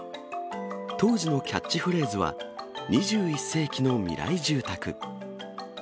当時のキャッチフレーズは、２１世紀の未来住宅。